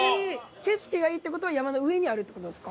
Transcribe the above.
景色がいいって事は山の上にあるって事ですか？